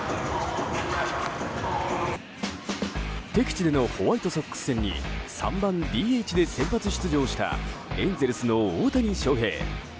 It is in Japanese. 敵地でのホワイトソックス戦に３番ＤＨで先発出場したエンゼルスの大谷翔平。